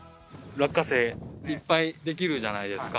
落花生いっぱいできるじゃないですか。